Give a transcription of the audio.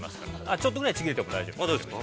◆ちょっとぐらいちぎれても大丈夫です。